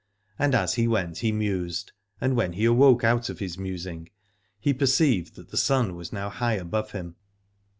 And as he went he mused, and when he awoke out of his musing he perceived that the sun was now high above him.